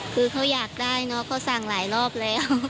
คือเขาอยากได้เนอะเขาสั่งหลายรอบแล้ว